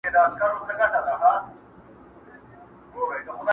دا کيسه د فکر سبب ګرځي او احساس ژوروي تل,